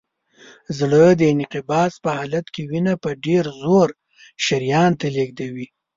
زړه د انقباض په حالت کې وینه په ډېر زور شریان ته لیږدوي.